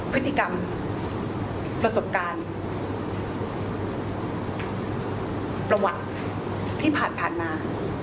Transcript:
พฤติกรรมประสบการณ์ประวัติที่ผ่านมา